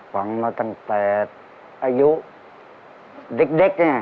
ฟังมาตั้งแต่อายุเด็กเนี่ย